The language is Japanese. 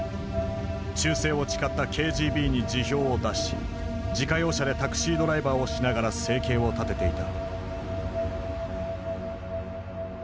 忠誠を誓ったＫＧＢに辞表を出し自家用車でタクシードライバーをしながら生計を立てていた。